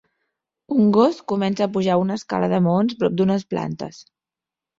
Un gos comença a pujar una escala de maons prop d'unes plantes.